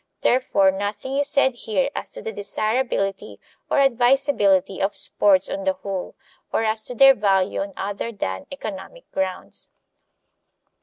Therefore nothing is said here as to the desirability or advisability of sports on the whole, or as to their value on other than economic grounds.